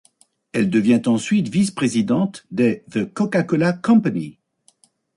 Elle devient ensuite vice-présidente des de The Coca-Cola Company.